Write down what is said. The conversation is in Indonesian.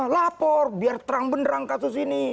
lapor biar terang benderang kasus ini